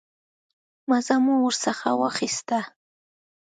مزه مو ورڅخه واخیسته.